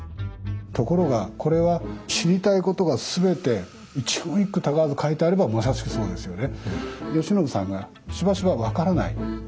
ところがこれは知りたいことがすべて一言一句たがわず書いてあればまさしくそうですよね。